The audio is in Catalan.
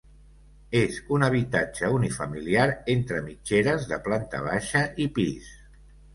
És un habitatge unifamiliar entre mitgeres, de planta baixa i pis.